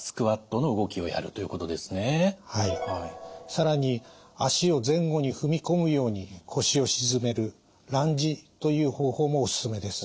更に足を前後に踏み込むように腰を沈めるランジという方法もおすすめです。